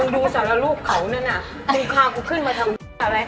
ดูสารรูปเขานั่นน่ะกูพากูขึ้นมาทำอะไร